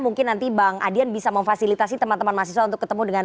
mungkin nanti bang adian bisa memfasilitasi teman teman mahasiswa untuk ketemu dengan